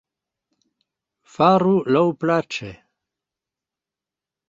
Faru laŭplaĉe!